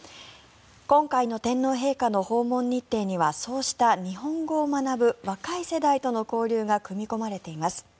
今回の天皇陛下の訪問日程にはそうした日本語を学ぶ若い世代との交流が組み込まれています。